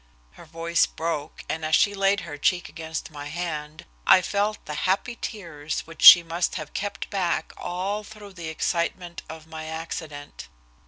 Her voice broke, and as she laid her cheek against my hand, I felt the happy tears which she must have kept back all through the excitement of my accident.